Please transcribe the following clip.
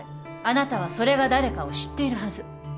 あなたはそれが誰かを知っているはず。